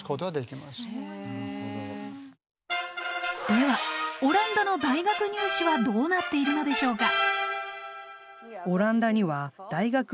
ではオランダの大学入試はどうなっているのでしょうか？